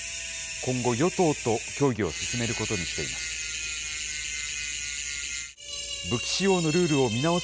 今後、与党と協議を進めることにしています。